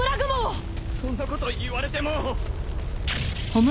そんなこと言われても。